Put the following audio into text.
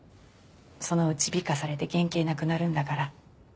そのうち美化されて原形なくなるんだから。